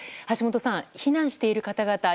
橋本さん、避難している方々